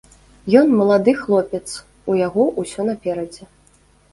Ён малады хлопец, у яго ўсё наперадзе.